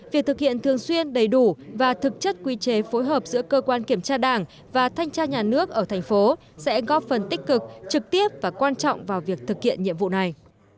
việc thực hiện thường xuyên đầy đủ và thực chất quy chế phối hợp giữa cơ quan kiểm tra đảng và thanh tra nhà nước ở thành phố sẽ góp phần tích cực trực tiếp và quan trọng vào việc thực hiện nhiệm vụ này